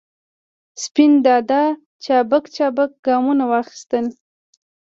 سپین دادا چابک چابک ګامونه واخستل.